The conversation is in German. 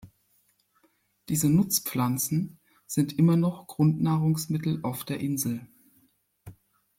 Diese Nutzpflanzen sind immer noch Grundnahrungsmittel auf der Insel.